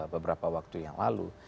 beberapa waktu yang lalu